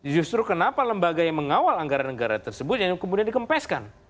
justru kenapa lembaga yang mengawal anggaran negara tersebut yang kemudian dikempeskan